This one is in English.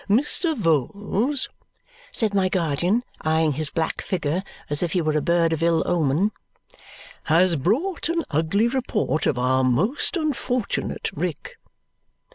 "Mr. Vholes," said my guardian, eyeing his black figure as if he were a bird of ill omen, "has brought an ugly report of our most unfortunate Rick."